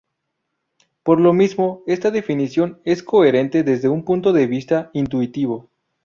Por lo mismo esta definición es coherente desde un punto de vista intuitivo.